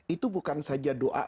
itu bukan saja doa